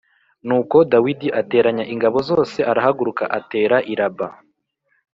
Nuko Dawidi ateranya ingabo zose arahaguruka atera i Raba